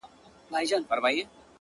سیاه پوسي ده- رنگونه نسته-